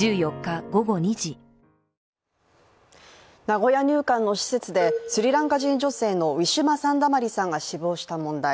名古屋入管の施設でスリランカ人女性のウィシュマ・サンダマリさんが死亡した問題。